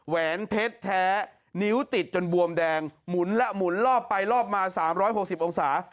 แหวนเพชรแท้นิ้วติดจนบวมแดงหมุนและหมุนรอบไปรอบมา๓๖๐องศา